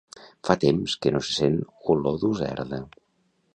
Fa temps que no se sent olor d'userda